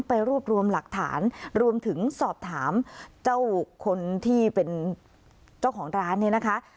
ไปรวบรวมหลักฐานรวมถึงสอบถามเจ้าคนที่เป็นเจ้าของร้านเนี่ยนะคะ